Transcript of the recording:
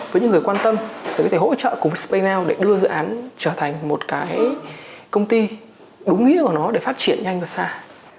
với những người quan tâm có thể hỗ trợ cùng với spaynow để đưa dự án trở thành một cái công ty đúng nghĩa của nó để phát triển nhanh và xa